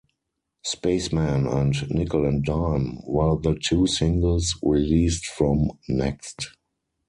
"Spaceman" and "Nickel and Dime" were the two singles released from "Next".